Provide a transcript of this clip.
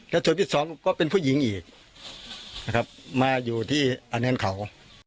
และส่วนที่สองก็เป็นผู้หญิงอีกนะครับมาอยู่ที่อันนั้นเขา